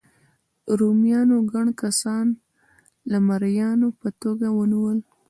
رومیانو ګڼ کسان د مریانو په توګه ونیول.